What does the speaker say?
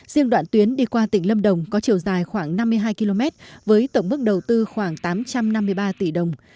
riêng đoạn tuyến đi qua tỉnh lâm đồng có chiều dài khoảng năm mươi hai km với tổng mức đầu tư khoảng tám trăm năm mươi ba tỷ đồng